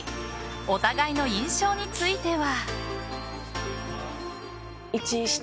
お互いの印象については。